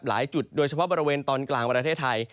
หลายจุดโดยเฉพาะบริเวณตอนกลางประเทศไทย